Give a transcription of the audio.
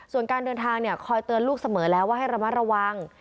ส่วนการเดินทางคอยเตือนลูกเสมอแล้วว่าให้ระมัดระวัง